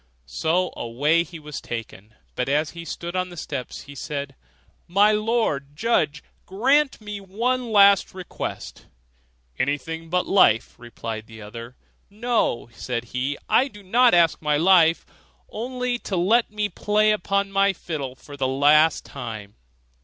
So away he was taken; but as he stood on the steps he said, 'My Lord Judge, grant me one last request.' 'Anything but thy life,' replied the other. 'No,' said he, 'I do not ask my life; only to let me play upon my fiddle for the last time.